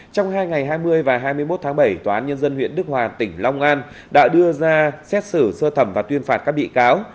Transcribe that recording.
trong hai ngày hai mươi và hai mươi một tháng bảy tòa án nhân dân huyện đức hòa tỉnh long an đã đưa ra xét xử sơ thẩm và tuyên phạt các bị cáo